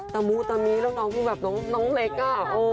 ตะมูตะมิแล้วน้องคือแบบน้องเล็กอ่ะ